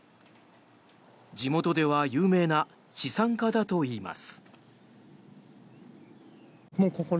地元では有名な資産家だといいます。